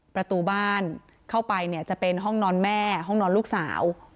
ประตูบ้านเข้าไปเนี่ยจะเป็นห้องนอนแม่ห้องนอนลูกสาว